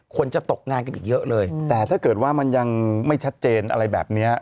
คนจะตกงานกันอีกเยอะเลยแต่ถ้าเกิดว่ามันยังไม่ชัดเจนอะไรแบบนี้